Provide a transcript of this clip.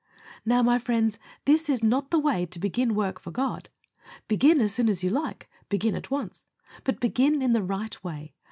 Now, my friends, this is not the way to begin work for God. Begin as soon as you like begin at once but begin in the right way.